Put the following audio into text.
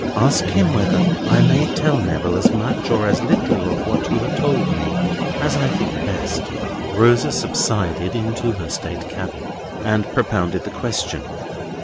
Ask him whether I may tell Neville as much or as little of what you have told me as I think best." Rosa subsided into her state cabin, and propounded the question.